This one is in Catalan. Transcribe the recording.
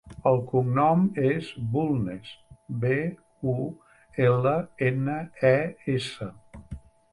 El cognom és Bulnes: be, u, ela, ena, e, essa.